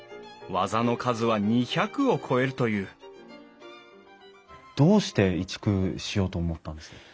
技の数は２００を超えるというどうして移築しようと思ったんですか？